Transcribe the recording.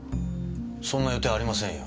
そんな予定ありませんよ。